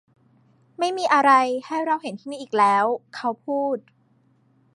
ไม่มีอะไรให้เราเห็นที่นี่อีกแล้วเขาพูด